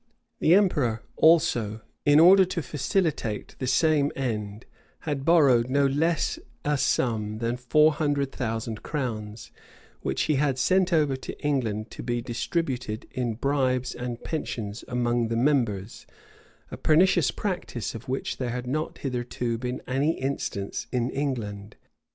The emperor also, in order to facilitate the same end, had borrowed no less a sum than four hundred thousand crowns, which he had sent over to England to be distributed in bribes and pensions among the members: a pernicious practice, of which there had not hitherto been any instance in England.